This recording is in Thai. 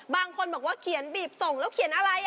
บางคนบอกว่าเขียนบีบส่งแล้วเขียนอะไร